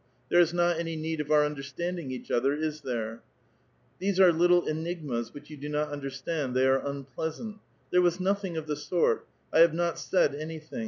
There is not any need of our understanding each other, is there ? These are little enigmas which you do not understand ; they are un pleasant. There was nothing of the sort ; I have not said anything.